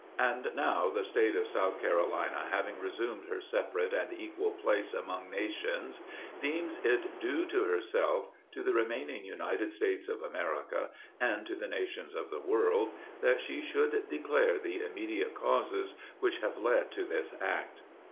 And now the State of South Carolina having resumed her separate and equal place among nations, deems it due to herself, to the remaining United States of America, and to the nations of the world, that she should declare the immediate causes which have led to this act.